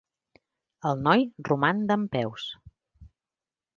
El noi roman dempeus.